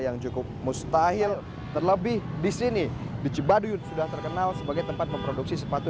yang cukup mustahil terlebih disini di jebaduyun sudah terkenal sebagai tempat memproduksi sepatu